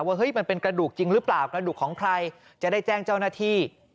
เฮ้ยมันเป็นกระดูกจริงหรือเปล่ากระดูกของใครจะได้แจ้งเจ้าหน้าที่